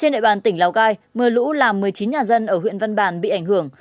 trên địa bàn tỉnh lào cai mưa lũ làm một mươi chín nhà dân ở huyện văn bàn bị ảnh hưởng